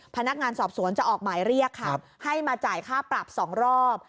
พนักงานสอบสวนจะออกหมายเรียกค่ะให้มาจ่ายค่าปรับ๒รอบ